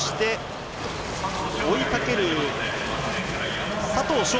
追いかける佐藤翔